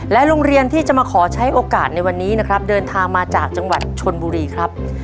โรงเรียนที่จะมาขอใช้โอกาสในวันนี้นะครับเดินทางมาจากจังหวัดชนบุรีครับ